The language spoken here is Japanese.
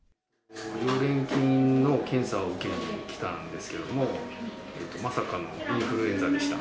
溶連菌の検査を受けに来たんですけれども、まさかのインフルエンザでした。